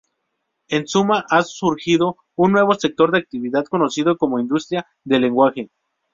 En suma, ha surgido un nuevo sector de actividad, conocido como industria del lenguaje.